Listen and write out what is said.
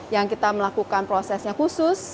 yang kita melakukan prosesnya khusus